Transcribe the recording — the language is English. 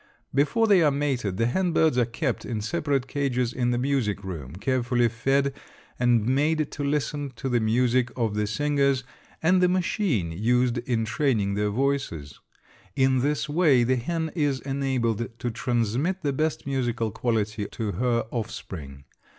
Before they are mated the hen birds are kept in separate cages in the music room, carefully fed and made to listen to the music of the singers and the machine used in training their voices. In this way the hen is enabled to transmit the best musical quality to her offspring.